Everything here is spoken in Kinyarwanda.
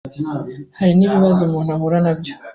Hari n’ibibazo umuntu ahura nabyo